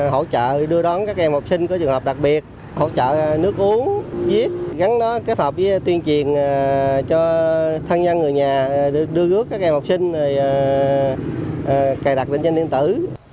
hỗ trợ đưa đón các em học sinh có trường hợp đặc biệt hỗ trợ nước uống viết gắn đó kết hợp với tuyên truyền cho thân nhân người nhà đưa gước các em học sinh cài đặt lĩnh danh niên tử